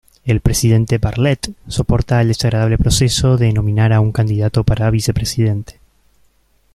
El Presidente Bartlet soporta el desagradable proceso de nominar a un candidato para Vicepresidente.